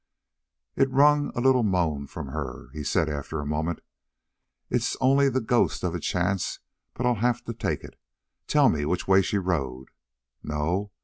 It wrung a little moan from her. He said after a moment: "It's only the ghost of a chance, but I'll have to take it. Tell me which way she rode? No?